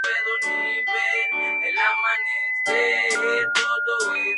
Los barcos de dos palos tienen normalmente, mayor y mesana.